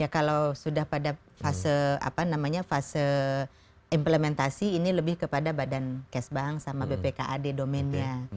ya kalau sudah pada fase implementasi ini lebih kepada badan kes bank sama bpkad domennya